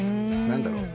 何だろう。